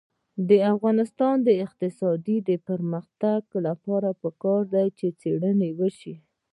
د افغانستان د اقتصادي پرمختګ لپاره پکار ده چې څېړنه وشي.